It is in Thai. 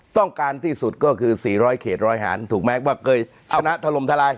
ต้องการที่สุดก็คือ๔๐๐เขตร้อยหารถูกไหมว่าเคยชนะทะลมทลาย